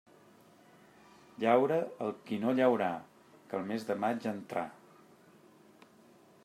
Llaure el qui no llaurà, que el mes de maig entrà.